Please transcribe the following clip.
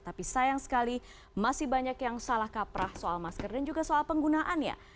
tapi sayang sekali masih banyak yang salah kaprah soal masker dan juga soal penggunaannya